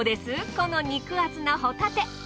この肉厚なホタテ。